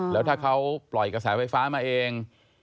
แล้วถ้าเขาปล่อยกระแสไฟฟ้ามาเอง